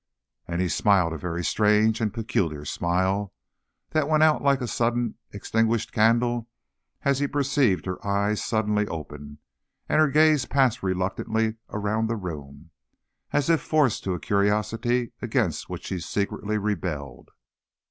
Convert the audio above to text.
And he smiled a very strange and peculiar smile, that went out like a suddenly extinguished candle, as he perceived her eyes suddenly open, and her gaze pass reluctantly around the room, as if forced to a curiosity against which she secretly rebelled.